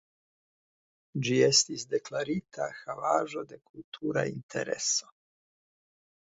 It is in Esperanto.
Ĝi estis deklartia Havaĵo de Kultura Intereso.